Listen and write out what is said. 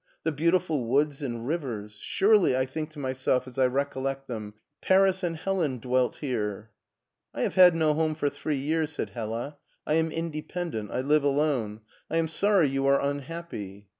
The beautiful woods and rivers 1 Surely, I think to myself as I recollect them, Paris and Helen dwelt here !"" I have had no home for three years," said Hella. " I am independent I live alone. I am sorry you are unhappy."